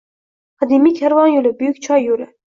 Qadimiy karvon yo‘li – Buyuk choy yo‘li